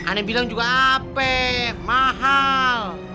aneh bilang juga apek mahal